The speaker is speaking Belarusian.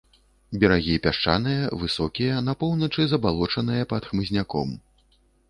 Берагі пясчаныя, высокія, на поўначы забалочаныя, пад хмызняком.